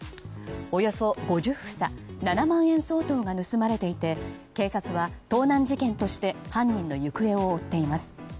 およそ５０房７万円相当が盗まれていて警察は盗難事件として犯人の行方を追っています。